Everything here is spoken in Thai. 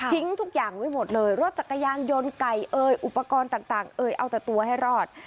ทุกอย่างไว้หมดเลยรถจักรยานยนต์ไก่เอ่ยอุปกรณ์ต่างเอ่ยเอาแต่ตัวให้รอด